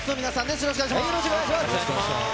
よろしくお願いします。